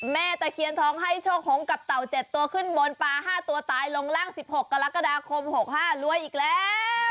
ตะเคียนทองให้โชคหงกับเต่า๗ตัวขึ้นบนปลา๕ตัวตายลงร่าง๑๖กรกฎาคม๖๕รวยอีกแล้ว